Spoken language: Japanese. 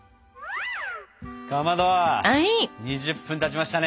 かまど２０分たちましたね。